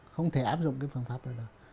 không thể áp dụng cái phương pháp này đâu